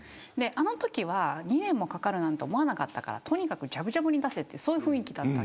あのときは２年もかかるなんて思わなかったからとにかくじゃぶじゃぶに出せという雰囲気だった。